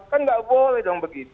kan nggak boleh dong begitu